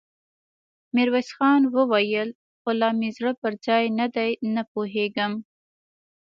ميرويس خان وويل: خو لا مې زړه پر ځای نه دی، نه پوهېږم!